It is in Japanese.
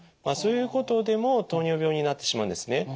まあそういうことでも糖尿病になってしまうんですね。